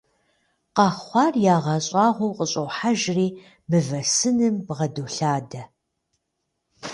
Къэхъуар ягъэщӏагъуэу къыщӏохьэжри мывэ сыным бгъэдолъадэ.